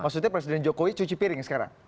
maksudnya presiden jokowi cuci piring sekarang